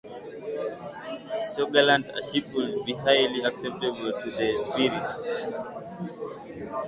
So gallant a ship would be highly acceptable to the spirits.